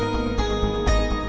buat yang chest